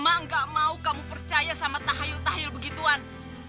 mak gak mau kamu percaya sama tahayul tahayul begituan